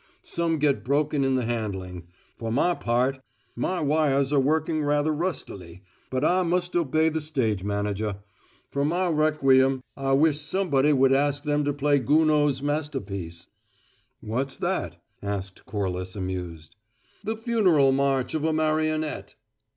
Some get broken in the handling. For my part, my wires are working rather rustily, but I must obey the Stage Manager. For my requiem I wish somebody would ask them to play Gounod's masterpiece." "What's that?" asked Corliss, amused. "`The Funeral March of a Marionette!'"